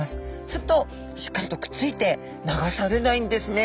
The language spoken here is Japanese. するとしっかりとくっついて流されないんですね。